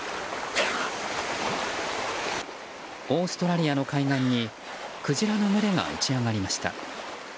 オーストラリアの海岸にクジラの群れが打ち上がりました。